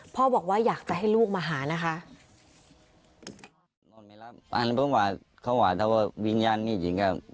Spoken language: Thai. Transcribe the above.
นอนไม่รับตอนนี้เขาบอกว่าวิญญาณมีจริง